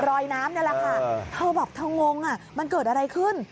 รอยน้ำนี่แหละค่ะเธอบอกเธองงมันเกิดอะไรขึ้น